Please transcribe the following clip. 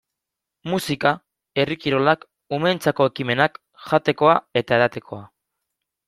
Musika, herri kirolak, umeentzako ekimenak, jatekoa eta edatekoa...